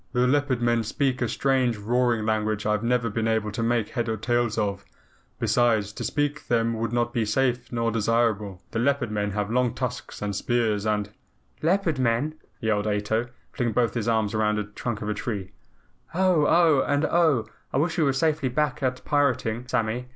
"The Leopard Men speak a strange roaring language I have never been able to make head or tail of. Besides, to speak to them would not be safe nor desirable. The Leopard Men have long tusks and spears and " "Leopard Men!" yelled Ato, flinging both arms round the trunk of a tree. "Oh! Oh! and OH! I wish we were safely back at pirating, Sammy.